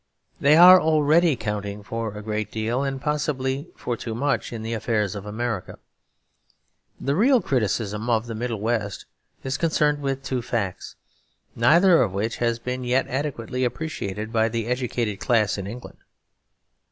They are already counting for a great deal, and possibly for too much, in the affairs of America. The real criticism of the Middle West is concerned with two facts, neither of which has been yet adequately appreciated by the educated class in England.